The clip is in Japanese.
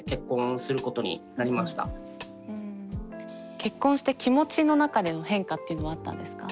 結婚して気持ちの中での変化っていうのはあったんですか？